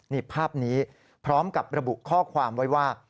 นี่ภาพนี้พร้อมกับระบุข้อความไว้ว่า